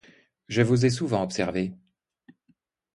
Je vous ai souvent observés